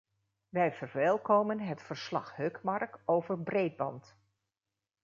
Wij verwelkomen het verslag-Hökmark over "breedband”.